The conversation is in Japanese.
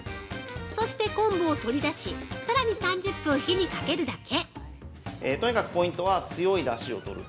そして、昆布を取り出しさらに３０分、火にかけるだけ。